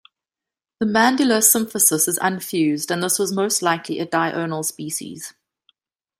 The mandibular symphysis is unfused and this was most likely a diurnal species.